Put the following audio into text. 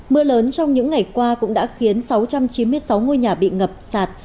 mưa lớn trong những ngày qua cũng đã khiến sáu trăm chín mươi sáu ngôi nhà bị ngập sạt